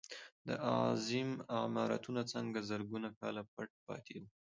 دا عظیم عمارتونه څنګه زرګونه کاله پټ پاتې وو.